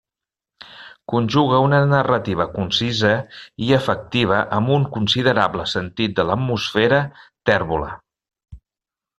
Conjuga una narrativa concisa i efectiva amb un considerable sentit de l'atmosfera tèrbola.